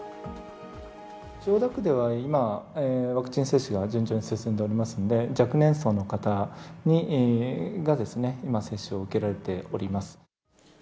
千代田区では今、ワクチン接種が順調に進んでおりますので、若年層の方が今、接種を受けられております。